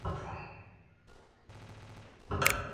Actividad económica que sigue siendo la principal de la ciudad.